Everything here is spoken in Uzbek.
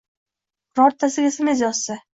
birontasiga sms yozsa